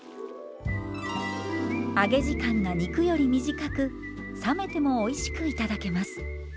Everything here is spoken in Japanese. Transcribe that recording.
揚げ時間が肉より短く冷めてもおいしく頂けます。